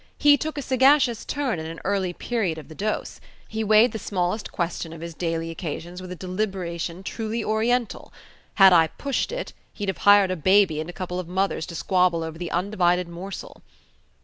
He took a sagacious turn at an early period of the dose. He weighed the smallest question of his daily occasions with a deliberation truly oriental. Had I pushed it, he'd have hired a baby and a couple of mothers to squabble over the undivided morsel."